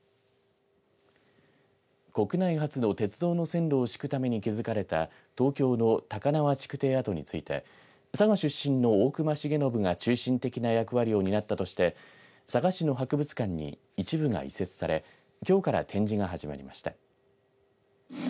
国内初の鉄道の線路を敷くために築かれた東京の高輪築堤跡について佐賀出身の大隈重信が中心的な役割を担ったとして佐賀市の博物館に一部が移設されきょうから展示が始まりました。